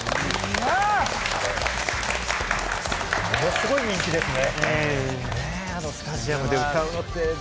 ものすごい人気ですね。